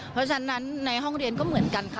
เพราะฉะนั้นในห้องเรียนก็เหมือนกันค่ะ